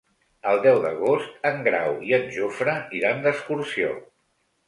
El deu d'agost en Grau i en Jofre iran d'excursió.